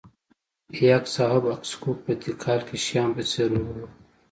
یاکس اهب اکسوک په تیکال کې شیام په څېر رول ولوباوه